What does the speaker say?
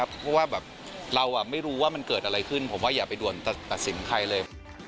เพราะว่าเราไม่รู้ว่ามันเกิดอะไรขึ้นผมว่าอย่าไปด่วนตัดสินใครเลย